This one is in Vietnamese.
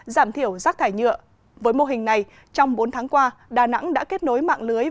giảm thiểu rác thải nhựa với mô hình này trong bốn tháng qua đà nẵng đã kết nối mạng lưới